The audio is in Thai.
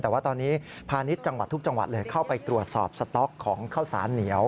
แต่ว่าตอนนี้พาณิชย์จังหวัดทุกจังหวัดเลยเข้าไปตรวจสอบสต๊อกของข้าวสารเหนียว